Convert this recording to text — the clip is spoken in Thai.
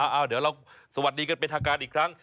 เดี๋ยวเราสวัสดีกันเป็นทางการอีกครั้ง